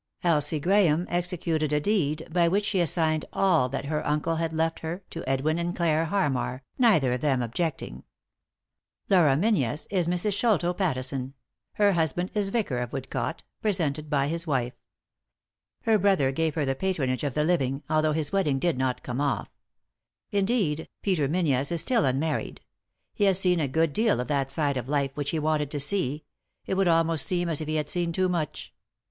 Elsie Grahame executed a deed by which she assigned all that her uncle had left her to Edwin and Clare Harmar, neither of them objecting. Laura Menzies is Mrs. Sholto Pattison ; her husband is 3i 9 iii^d by Google THE INTERRUPTED KISS vicar of Woodcotc — presented by bis wife. Her brother gave her the patronage of the living, although his wedding did not come off. Indeed, Peter Menzies is still unmarried. He has seen a good deal of that side of life which he wanted to see — it would almost seem as if he had seen too much.